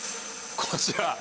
こちら。